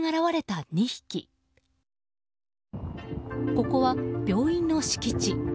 ここは病院の敷地。